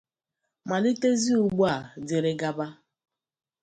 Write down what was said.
malitezie ugbua dịrị gaba